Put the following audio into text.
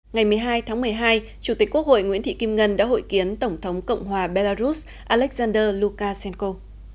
ngày một mươi hai tháng một mươi hai chủ tịch quốc hội nguyễn thị kim ngân đã hội kiến tổng thống cộng hòa belarus alexander lukashenko